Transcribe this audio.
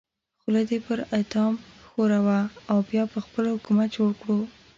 خوله دې پر اتام ښوروه او بیا به خپل حکومت جوړ کړو.